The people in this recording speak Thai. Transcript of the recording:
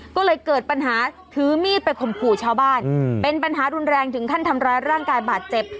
ก็เลยเกิดปัญหาถือมีดไปข่มขู่ชาวบ้านเป็นปัญหารุนแรงถึงขั้นทำร้ายร่างกายบาดเจ็บ